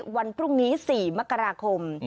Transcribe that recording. วันพรุ่งนี้๔มกราคม